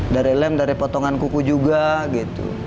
dari lem dari potongan kuku juga gitu